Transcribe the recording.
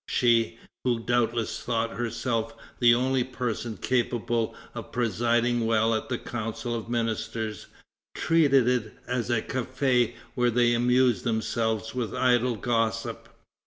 She, who doubtless thought herself the only person capable of presiding well at the council of ministers, treated it as a "café where they amused themselves with idle gossip."